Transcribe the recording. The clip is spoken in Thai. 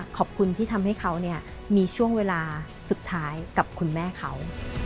ขอบคุณที่ทำให้เขามีช่วงเวลาสุดท้ายกับคุณแม่เขา